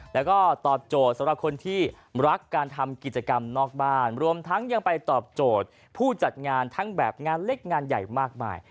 แล้วก็ตอบโจทย์สำหรับคนที่รักการทำกิจกรรมนอกบ้านรวมทั้งยังไปตอบโจทย์ผู้จัดงานทั้งแบบงานเล็กงานใหญ่มากมาย